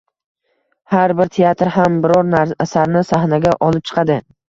Har bir teatr ham biror asarni sahnaga olib chiqadi.